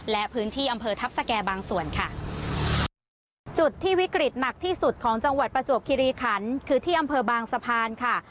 และพื้นที่อำเภอทัพสแก่บางส่วนค่ะจุดที่วิกฤตหนักที่สุดของจังหวัดประจวบคิริขันคือที่อำเภอบางสะพานค่ะ